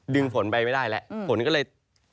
ฝนไปไม่ได้แล้วผลก็เลย